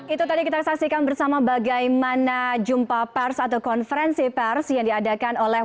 itu tadi kita saksikan bersama bagaimana jumpa pers atau konferensi pers yang diadakan oleh